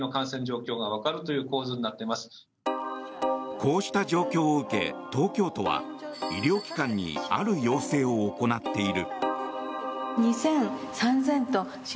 こうした状況を受け東京都は医療機関にある要請を行っている。